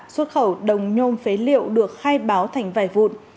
xuất khẩu đồng nhôm phế liệu được khai báo thành vài vụn